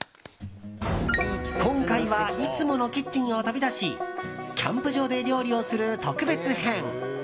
今回はいつものキッチンを飛び出しキャンプ場で料理をする特別編。